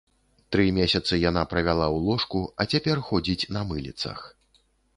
Тры месяцы яна правяла ў ложку, а цяпер ходзіць на мыліцах.